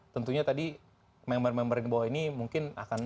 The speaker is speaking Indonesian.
tentunya tadi member member di bawah ini mungkin akan